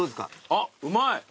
あっうまい！